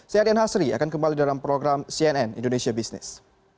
saya rian hasri akan kembali dalam program cnn indonesia business